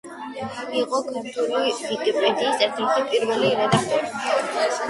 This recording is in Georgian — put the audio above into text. იყო ქართული ვიკიპედიის ერთ-ერთი პირველი რედაქტორი.